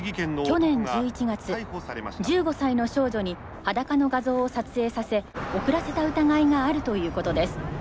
「去年１１月１５歳の少女に裸の画像を撮影させ送らせた疑いがあるということです。